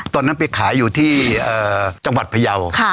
ตอนนั้นไปขายอยู่ที่จังหวัดพยาว